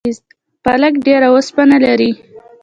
پالک ډیره اوسپنه لري